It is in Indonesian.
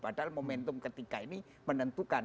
padahal momentum ketiga ini menentukan